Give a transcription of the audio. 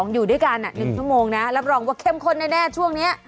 อยู่ด้วยกัน๑ชั่วโมงนะรับรองว่าเข้มข้นแน่ช่วงนี้